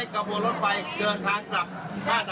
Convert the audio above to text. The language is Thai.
ก็ต้องมารถไปกระบวนทางหาข้าวกินค่ะ